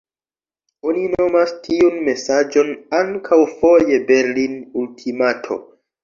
Oni nomas tiun mesaĝon ankaŭ foje Berlin-ultimato.